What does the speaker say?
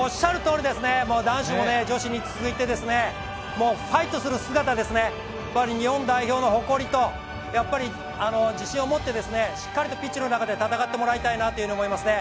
男子も女子に続いて、ファイトする姿、日本代表の誇りと自信を持ってしっかりとピッチの中で戦ってもらいたいなと思いますね。